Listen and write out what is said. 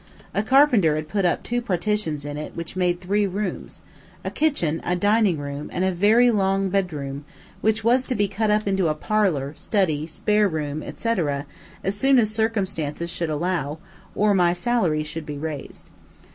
A carpenter had put up two partitions in it which made three rooms a kitchen, a dining room and a very long bedroom, which was to be cut up into a parlor, study, spare room, etc., as soon as circumstances should allow, or my salary should be raised.